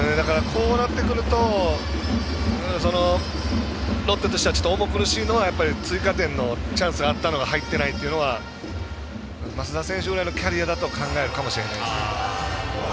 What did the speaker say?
こうなってくるとロッテとしてはちょっと重苦しいのは追加点のチャンスがあったのに入っていないのは益田選手ぐらいのキャリアだと考えるかもしれません。